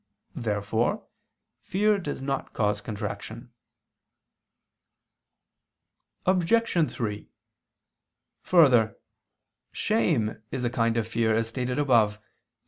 Therefore fear does not cause contraction. Obj. 3: Further, shame is a kind of fear, as stated above (Q.